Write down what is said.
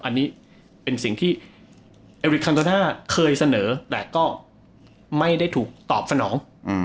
อันนี้เป็นสิ่งที่เอริคันโตน่าเคยเสนอแต่ก็ไม่ได้ถูกตอบสนอง